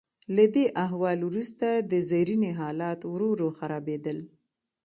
له دې احوال وروسته د زرینې حالات ورو ورو خرابیدل.